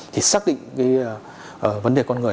thì xác định vấn đề con người